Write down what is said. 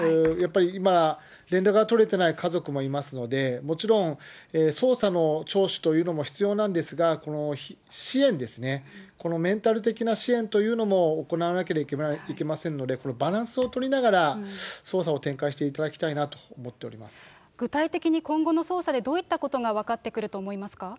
今回に関しては、被害者であるご家族、やっぱり、今、連絡が取れてない家族もいますので、もちろん、捜査の聴取というのも必要なんですが、支援ですね、このメンタル的な支援というのも行わなければいけませんので、バランスを取りながら、捜査の展開していただきたいなと思ってお具体的に今後の捜査でどういったことが分かってくると思いますか。